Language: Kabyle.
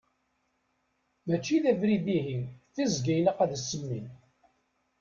Mačči d abrid ihi d tiẓgi i ilaq ad as-semmin.